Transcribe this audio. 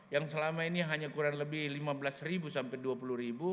yang selama ini hanya kurang lebih lima belas ribu sampai dua puluh ribu